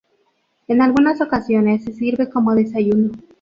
En algunas ocasiones se sirve como desayuno.